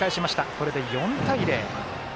これで４対０。